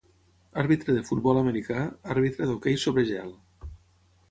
Àrbitre de futbol americà, àrbitre d'hoquei sobre gel.